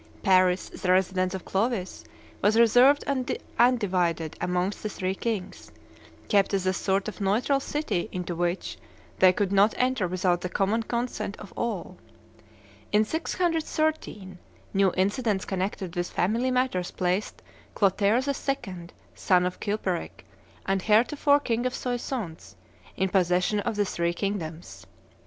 Paris, the residence of Clovis, was reserved and undivided amongst the three kings, kept as a sort of neutral city into which they could not enter without the common consent of all. In 613, new incidents connected with family matters placed Clotaire II., son of Chilperic, and heretofore king of Soissons, in possession of the three kingdoms.